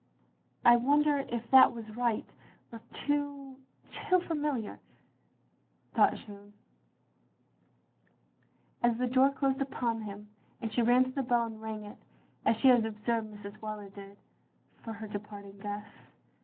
"I wonder if that was right, or too— too fa OP GROSVENOR SQUARE 127 miliar, " thought Jeanne, as the door closed upon him, and she ran to the bell and rang it, as she had observed Mrs. Wheler did, for her departing guests.